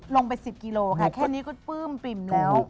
ลงไป๑๐กิโลค่ะแค่นี้ก็ปลื้มปิ่มแล้ว